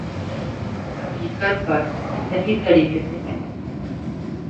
حقیقت پر صحیح طریقہ سے بحث